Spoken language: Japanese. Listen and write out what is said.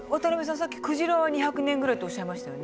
さっきクジラは２００年ぐらいっておっしゃいましたよね？